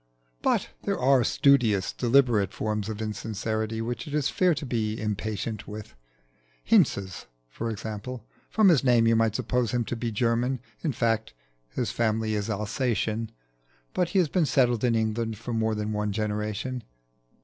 But there are studious, deliberate forms of insincerity which it is fair to be impatient with: Hinze's, for example. From his name you might suppose him to be German: in fact, his family is Alsatian, but has been settled in England for more than one generation.